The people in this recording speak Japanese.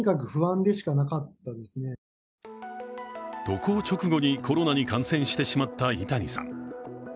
渡航直後にコロナに感染してしまった井谷さん。